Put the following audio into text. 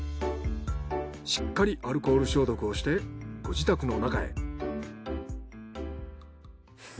しっかりアルコール消毒をしてご自宅の中へ。